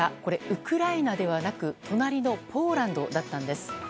ウクライナではなく隣のポーランドだったんです。